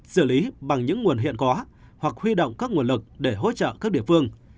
xử lý bằng những nguồn hiện có hoặc huy động các nguồn lực để hỗ trợ các địa phương